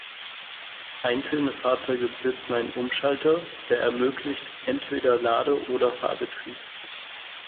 Einzelne Fahrzeuge besitzen ein Umschalter, der ermöglicht entweder Lade- oder Fahrbetrieb.